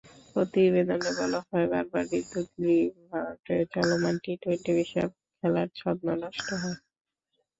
প্রতিবেদনে বলা হয়, বারবার বিদ্যুৎ-বিভ্রাটে চলমান টি-টোয়েন্টি বিশ্বকাপ খেলার ছন্দ নষ্ট হয়।